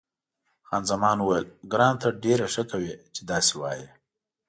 خان زمان وویل، ګرانه ته ډېره ښه کوې چې داسې وایې.